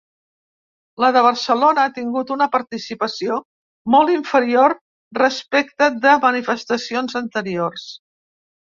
La de Barcelona ha tingut una participació molt inferior respecte de manifestacions anteriors.